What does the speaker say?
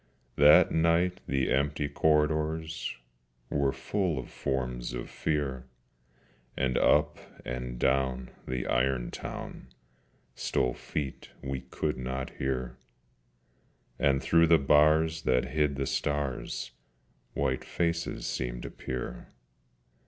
That night the empty corridors Were full of forms of Fear, And up and down the iron town Stole feet we could not hear, And through the bars that hide the stars White faces seemed to peer.